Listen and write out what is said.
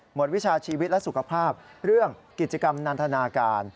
วิชาชีวิตและสุขภาพเรื่องกิจกรรมนันทนาการ